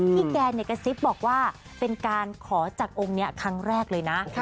พี่แกเนกาซิปบอกว่าเป็นการขอจากองค์เนี่ยครั้งแรกเลยนะ